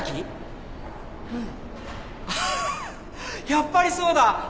やっぱりそうだ。